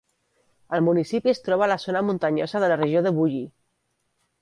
El municipi es troba a la zona muntanyosa de la regió de Vully.